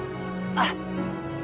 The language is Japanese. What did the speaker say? あっ！